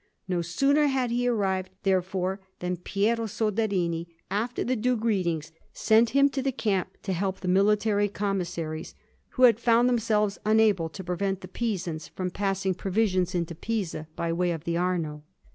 No sooner had he arrived, therefore, than Piero Soderini, after the due greetings, sent him to the camp to help the military commissaries, who had found themselves unable to prevent the Pisans from passing provisions into Pisa by way of the Arno.